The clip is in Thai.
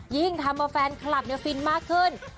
ยิ่งทำเอาแฟนคลับฟินมากขึ้น